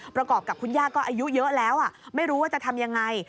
ประกอบกับคุณย่าก็อายุเยอะแล้วไม่รู้ว่าจะทำยังไง